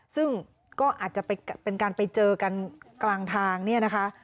ซึ่งก็อาจจะเป็นการไปเจอกันกลางทางเนี่ยนะคะ